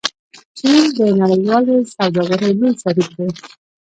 چین د نړیوالې سوداګرۍ لوی شریک دی.